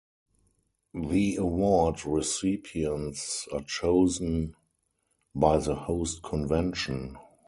The award recipients are chosen by the host convention.